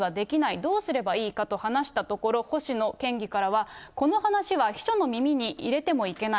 どうすればいいかと話したところ、星野県議からは、この話は秘書の耳に入れてもいけない。